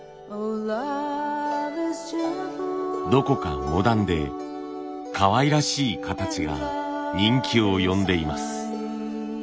どこかモダンでかわいらしい形が人気を呼んでいます。